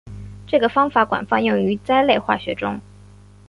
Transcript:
这个方法广泛用于甾类化学中。